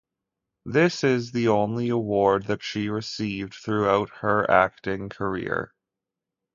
This is the only award that she received throughout her acting career.